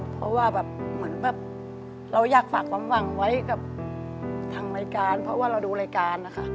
เพราะว่าแบบเหมือนแบบเราอยากฝากความหวังไว้กับทางรายการเพราะว่าเราดูรายการนะคะ